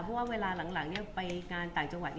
เพราะว่าเวลาหลังไปงานต่างจังหวัด